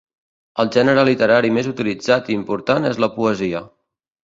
El gènere literari més utilitzat i important és la poesia.